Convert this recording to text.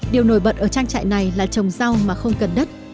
điều nổi bật ở trang trại này là trồng rau mà không cần đất